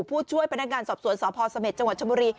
ผู้ช่วยพนักงานสอบสวนสพสเมษจชม